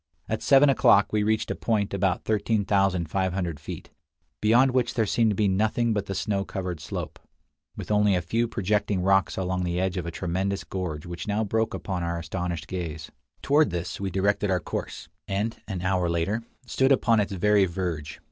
At seven o'clock we reached a point about 13,500 feet, beyond which there seemed to be nothing but the snow covered slope, with only a few projecting rocks along the edge of a tremendous gorge which now broke upon our astonished gaze. Toward this we directed our course, and, an hour later, stood upon its very verge.